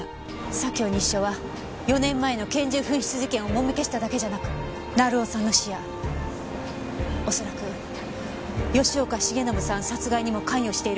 左京西署は４年前の拳銃紛失事件をもみ消しただけじゃなく成尾さんの死やおそらく吉岡繁信さん殺害にも関与している可能性が高いわ。